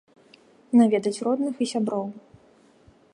Наведаць родных і сяброў.